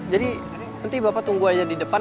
nanti bapak tunggu aja di depan